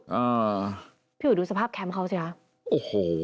อ่าพี่อุ๋ยดูสภาพแคมป์เขาสิฮะโอ้โห